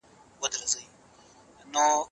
ګلالۍ د ډوډۍ لپاره یو سپین او پاک دسترخوان راوړ.